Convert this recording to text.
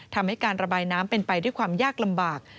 ทำให้การระบายน้ำเป็นไปด้วยความยากลำบาก